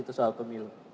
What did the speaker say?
itu soal pemilu